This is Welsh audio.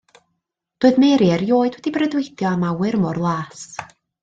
Doedd Mary erioed wedi breuddwydio am awyr mor las.